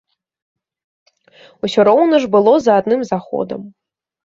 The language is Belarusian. Усё роўна ж было за адным заходам.